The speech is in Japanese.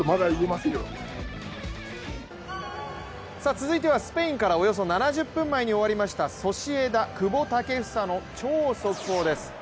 続いてはスペインからおよそ７０分前に終わりましたソシエダ・久保建英の超速報です。